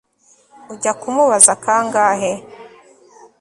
Ujya kumubaza kangahe